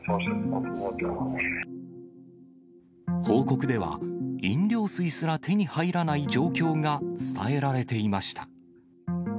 報告では、飲料水すら手に入らない状況が伝えられていました。